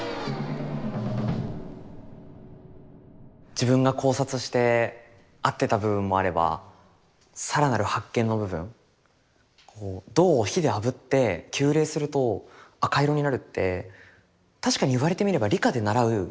自分が考察して合ってた部分もあれば更なる発見の部分銅を火であぶって急冷すると赤色になるって確かにいわれてみれば理科で習うことじゃないですか。